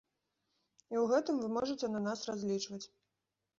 І ў гэтым вы можаце на нас разлічваць.